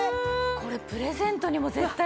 これプレゼントにも絶対。